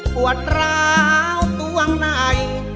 ปวดร้าวดวงใน